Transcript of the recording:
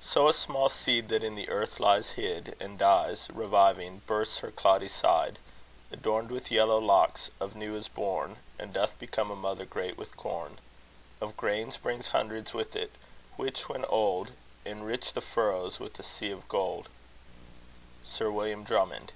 So a small seed that in the earth lies hid And dies, reviving bursts her cloddy side, Adorned with yellow locks, of new is born, And doth become a mother great with corn, Of grains brings hundreds with it, which when old Enrich the furrows with a sea of gold. SIR WILLIAM DRUMMOND.